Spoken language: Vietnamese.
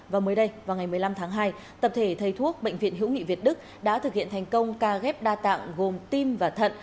và mới đây vào ngày một mươi năm tháng hai tập thể thầy thuốc bệnh viện hữu nghị việt đức đã thực hiện thành công ca ghép đa tạng gồm tim và thận